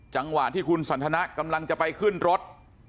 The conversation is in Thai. จังหวะที่คุณสันทนะกำลังจะไปขึ้นรถ